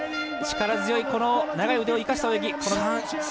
力強い長い腕を生かした泳ぎ。